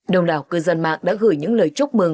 đồng đảo cư dân mạng đã gửi những lời chúc mừng